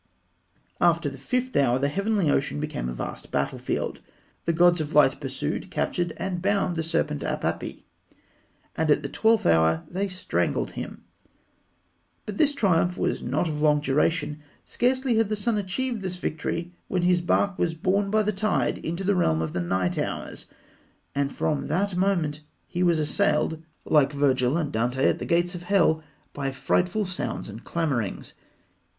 After the fifth hour, the heavenly ocean became a vast battlefield. The gods of light pursued, captured, and bound the serpent Apapi, and at the twelfth hour they strangled him. But this triumph was not of long duration. Scarcely had the sun achieved this victory when his bark was borne by the tide into the realm of the night hours, and from that moment he was assailed, like Virgil and Dante at the Gates of Hell, by frightful sounds and clamourings.